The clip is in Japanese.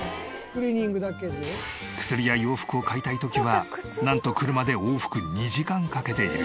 薬や洋服を買いたい時はなんと車で往復２時間かけている。